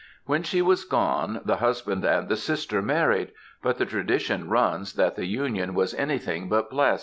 "When she was gone, the husband and the sister married; but the tradition runs, that the union was anything but blest.